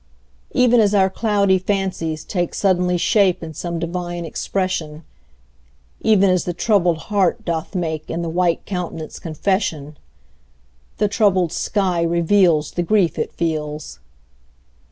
Even as our cloudy fancies take Suddenly shape in some divine expression, Even as the troubled heart doth make In the white countenance confession, The troubled sky reveals The grief it feels.